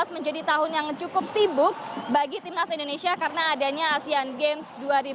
menjadi tahun yang cukup sibuk bagi timnas indonesia karena adanya asean games dua ribu delapan belas